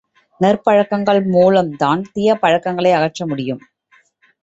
நற்பழக்கங்கள் மூலம் தான் தீயபழக்கங்களை அகற்ற முடியும்.